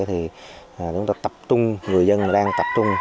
thì chúng ta tập trung người dân đang tập trung